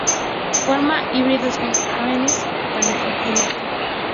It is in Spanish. Forma híbridos con "Carex paniculata".